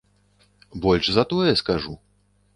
Больш за тое скажу.